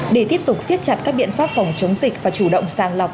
để tiếp tục siết chặt các biện pháp phòng chống dịch và chủ động sàng lọc